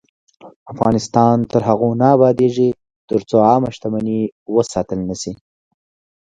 افغانستان تر هغو نه ابادیږي، ترڅو عامه شتمني وساتل نشي.